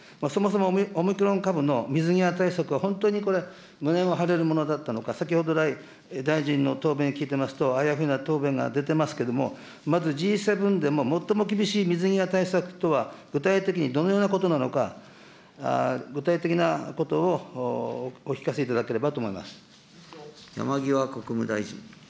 そもそもオミクロン株の水際対策は本当にこれ、胸を張れるものだったのか、先ほど来、大臣の答弁聞いてますと、あやふやな答弁、出てますけれども、まずＧ７でも、最も厳しい水際対策とは、具体にどのようなことなのか、具体的なことを、お聞かせいただければと思います。